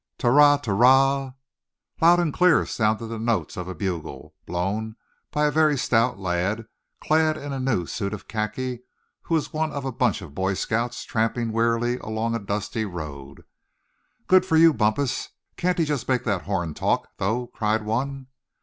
"Tara tara!" Loud and clear sounded the notes of a bugle, blown by a very stout lad, clad in a new suit of khaki; and who was one of a bunch of Boy Scouts tramping wearily along a dusty road. "Good for you, Bumpus! Can't he just make that horn talk, though?" cried one.